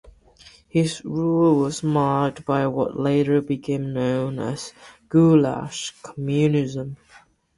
His rule was marked by what later became known as 'Goulash Communism'.